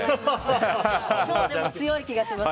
今日、強い気がします。